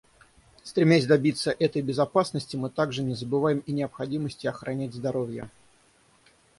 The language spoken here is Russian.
Стремясь добиться этой безопасности, мы также не забываем и о необходимости охранять здоровья.